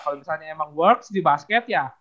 kalau misalnya emang works di basket ya